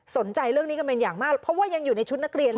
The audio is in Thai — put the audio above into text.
สนใจเรื่องนี้กันเป็นอย่างมากเพราะว่ายังอยู่ในชุดนักเรียน